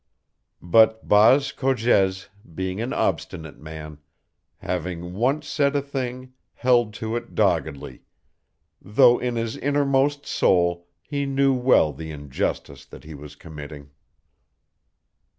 But Baas Cogez being an obstinate man, having once said a thing held to it doggedly, though in his innermost soul he knew well the injustice that he was committing.